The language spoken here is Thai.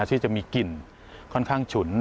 ที่จะมีกลิ่นค่อนข้างฉุน